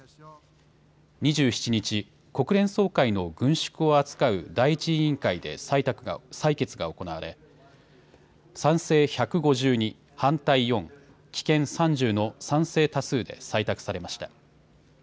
２７日、国連総会の軍縮を扱う第１委員会で採決が行われ、賛成１５２、反対４、棄権３０の賛成多数で採択されました。